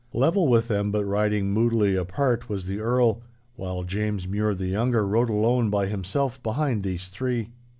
Level with them, but riding moodily apart, was the Earl, while James Mure the younger rode alone by himself behind these three.